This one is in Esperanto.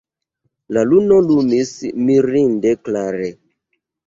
La luno lumis mirinde klare.